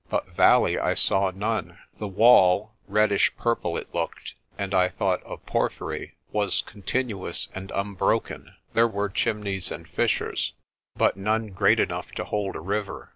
But valley I saw none. The wall reddish purple it looked, and, I thought, of porphyry was continuous and unbroken. There were 60 PRESTER JOHN chimneys and fissures, but none great enough to hold a river.